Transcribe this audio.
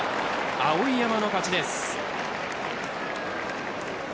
碧山の勝ちです。